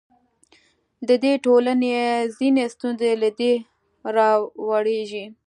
د دې ټولنو ځینې ستونزې له دې راولاړېږي.